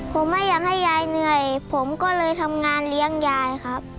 ผมไม่อยากให้ยายเหนื่อยผมก็เลยทำงานเลี้ยงยายครับ